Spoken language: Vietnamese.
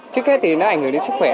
trước hết thì nó ảnh hưởng đến sức khỏe